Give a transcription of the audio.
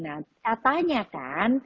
nah katanya kan